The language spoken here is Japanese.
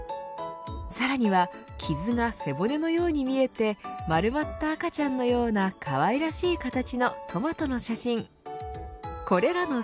さらには傷が背骨のように見えて丸まった赤ちゃんのようなかわいらしい形のトマトの写真。